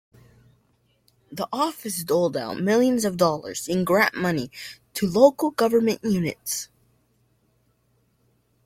That office doled out millions of dollars in grant money to local government units.